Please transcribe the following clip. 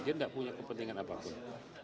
dia tidak punya kepentingan apapun